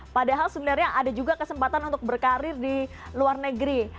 padahal sebenarnya ada juga kesempatan untuk berkarir di luar negeri